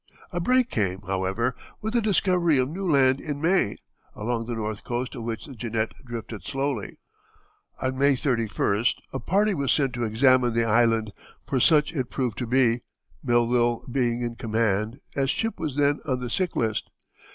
A break came, however, with the discovery of new land in May, along the north coast of which the Jeannette drifted slowly. On May 31st a party was sent to examine the island, for such it proved to be, Melville being in command, as Chipp was then on the sick list.